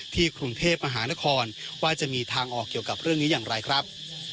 กรุงเทพมหานครว่าจะมีทางออกเกี่ยวกับเรื่องนี้อย่างไรครับ